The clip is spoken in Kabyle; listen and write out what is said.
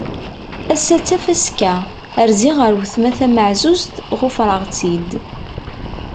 Ass-a d tafaska, rziɣ ɣer uletma tamaẓuẓt, ɣufreɣ-tt-id.